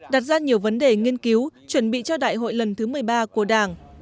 đặt ra nhiều vấn đề nghiên cứu chuẩn bị cho đại hội lần thứ một mươi ba của đảng